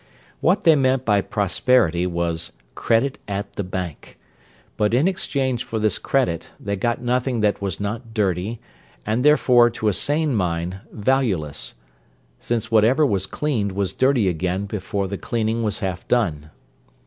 What they meant by Prosperity was credit at the bank; but in exchange for this credit they got nothing that was not dirty, and, therefore, to a sane mind, valueless; since whatever was cleaned was dirty again before the cleaning was half done.